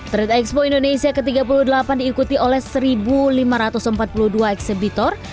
trade expo indonesia ke tiga puluh delapan diikuti oleh satu lima ratus empat puluh dua eksebitor